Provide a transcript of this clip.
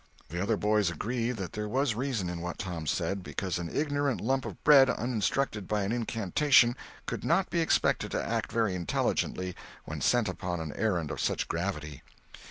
The other boys agreed that there was reason in what Tom said, because an ignorant lump of bread, uninstructed by an incantation, could not be expected to act very intelligently when set upon an errand of such gravity.